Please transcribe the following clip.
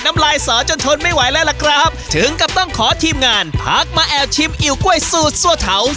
น้ำลายสาวจนทนไม่ไหวแล้วล่ะครับถึงกับต้องขอทีมงานพักมาแอบชิมอิ๋วกล้วยสูตรซั่วเทา